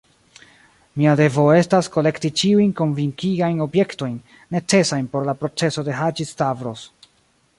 Mia devo estas, kolekti ĉiujn konvinkigajn objektojn, necesajn por la proceso de Haĝi-Stavros.